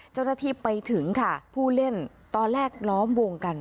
เจ้าหน้าที่ไปถึงค่ะผู้เล่นตอนแรกล้อมวงกัน